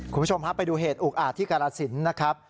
คุณผู้ชมฮะไปดูเหตุอุกอาจที่กรสินนะครับ